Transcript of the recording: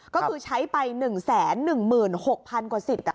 ก็คือใช้ไป๑๑๖๐๐๐กว่าสิทธิ์